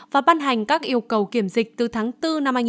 và ban hành các yêu cầu kiểm dịch từ tháng bốn năm hai nghìn hai mươi